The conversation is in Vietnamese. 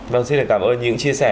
vâng xin cảm ơn những chia sẻ